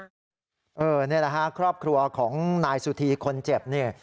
นี่แหละฮะครอบครัวของนายสุธีคนเจ็บนี่